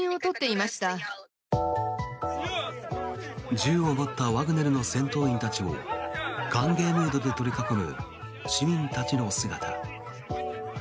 銃を持ったワグネルの戦闘員たちを歓迎ムードで取り囲む市民たちの姿。